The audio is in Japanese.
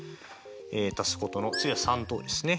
足すことの次は３等ですね。